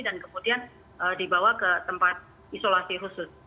dan kemudian dibawa ke tempat isolasi khusus